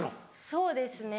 そうですね。